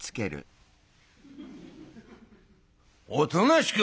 「おとなしく」。